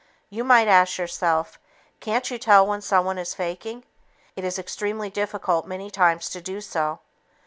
You might ask, "Can't you tell when someone is faking?" It is extremely difficult many times to do so.